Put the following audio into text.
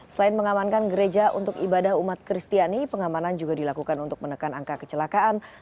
selain mengamankan gereja untuk ibadah umat kristiani pengamanan juga dilakukan untuk menekan angka kecelakaan